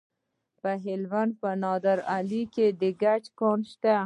د هلمند په نادعلي کې د ګچ کان شته.